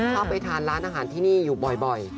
ชอบไปทานร้านอาหารที่นี่อยู่บ่อย